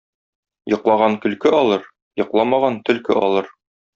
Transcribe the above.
Йоклаган көлке алыр, йокламаган төлке алыр.